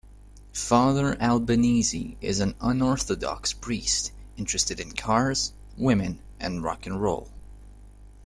Father Albinizi is an unorthodox priest, interested in cars, women and Rock and Roll.